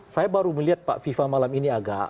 saya baru melihat pak fifa malam ini agak